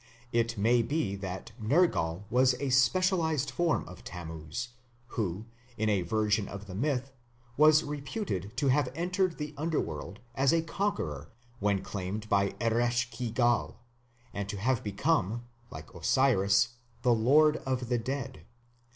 It may be that Nergal was a specialized form of Tammuz, who, in a version of the myth, was reputed to have entered the Underworld as a conqueror when claimed by Eresh ki gal, and to have become, like Osiris, the lord of the dead.